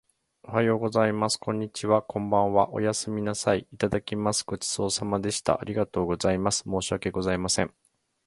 おはようございます。こんにちは。こんばんは。おやすみなさい。いただきます。ごちそうさまでした。ありがとうございます。申し訳ございません。